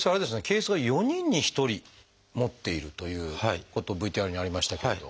憩室は４人に１人持っているということＶＴＲにありましたけれど。